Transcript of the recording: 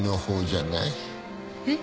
えっ？